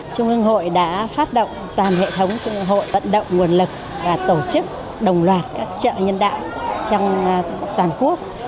trung ương hội đã phát động toàn hệ thống hội vận động nguồn lực và tổ chức đồng loạt các chợ nhân đạo trong toàn quốc